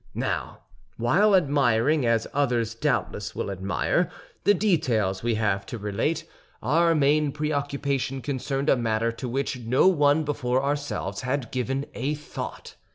Now, while admiring, as others doubtless will admire, the details we have to relate, our main preoccupation concerned a matter to which no one before ourselves had given a thought.